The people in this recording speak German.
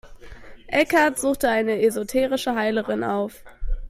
Eckhart suchte eine esoterische Heilerin auf.